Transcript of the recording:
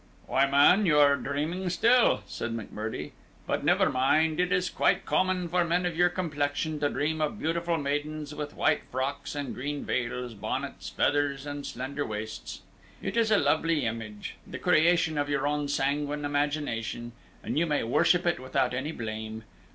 "Why, man, you are dreaming still," said McMurdie. "But never mind; it is quite common for men of your complexion to dream of beautiful maidens with white frocks, and green veils, bonnets, feathers, and slender waists. It is a lovely image, the creation of your own sanguine imagination, and you may worship it without any blame.